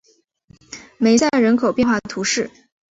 梅塞人口变化图示